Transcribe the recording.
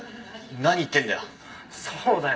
何言ってんだよ。